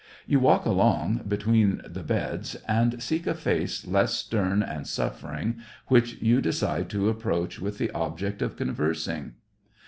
You walk along between the beds and seek a face less stern and suffering, which you decide to approach, with the object of conversing.